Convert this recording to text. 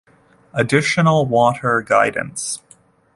Additional Water Guidance